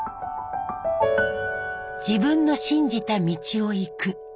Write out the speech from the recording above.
自分の信じた道をいく。